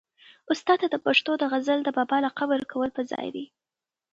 استاد ته د پښتو د غزل د بابا لقب ورکول په ځای دي.